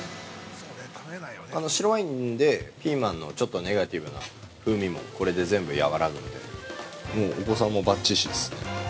◆白ワインで、ピーマンのちょっとネガティブな風味もこれで全部和らぐんで、もうお子さんもばっちしです。